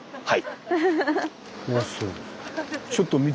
はい。